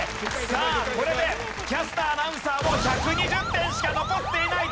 さあこれでキャスター・アナウンサーもう１２０点しか残っていない。